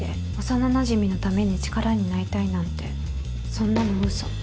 幼なじみのために力になりたいなんてそんなの嘘